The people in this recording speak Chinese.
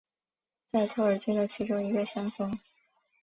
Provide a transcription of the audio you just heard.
在托尔金的其中一个山峰。